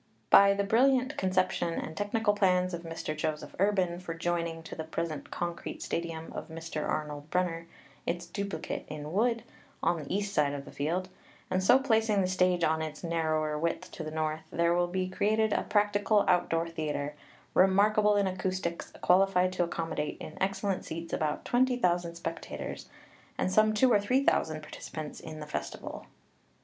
By the brilliant conception and technical plans of Mr. Joseph Urban for joining to the present concrete stadium of Mr. Arnold Brunner its duplicate in wood, on the east side of the field, and so placing the stage on its narrower width to the north, there will be created a practical out door theatre, remarkable in acoustics, qualified to accom modate in excellent seats about twenty thousand spec tators, and some two or three thousand participants in the festival.